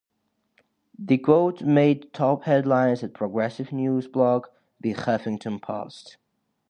The quote made top headlines at progressive news blog "The Huffington Post".